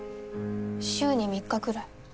週に３日くらい。